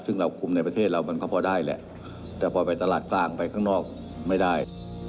ซึ่งเราคุมในประเทศเรามันก็พอได้แหละแต่พอไปตลาดกลางไปข้างนอกไม่ได้